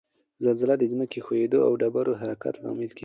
زلزله د ځمک ښویدو او ډبرو حرکت لامل کیږي